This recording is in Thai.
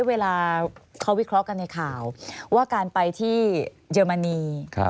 เวลาเขาวิเคราะห์กันในข่าวว่าการไปที่เยอรมนี